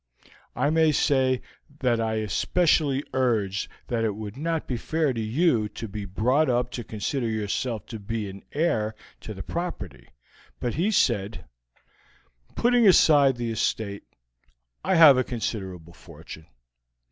I may say that I especially urged that it would not be fair to you to be brought up to consider yourself to be heir to the property, but he said: "'Putting aside the estate, I have a considerable fortune.